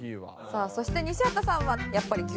さあそして西畑さんはやっぱり給料日。